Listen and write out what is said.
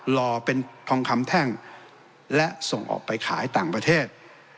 รอเป็นทองคำแท่งและส่งออกไปขายต่างประเทศ